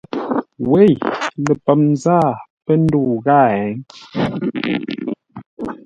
Wěi! Ləpəm zâa pə́ ndə́u ghâa hěiŋ!